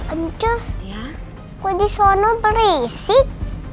ancus kok di sana berisik